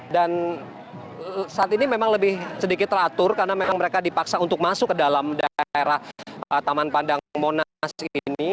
dan saat ini memang lebih sedikit teratur karena memang mereka dipaksa untuk masuk ke dalam daerah taman pandang monas ini